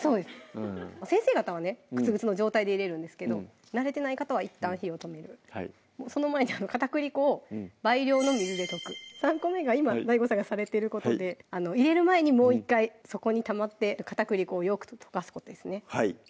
先生方はねグツグツの状態で入れるんですけど慣れてない方はいったん火を止めるその前に片栗粉を倍量の水で溶く３個目が今ＤＡＩＧＯさんがされてることで入れる前にもう１回底にたまってる片栗粉をよく溶かすことですねで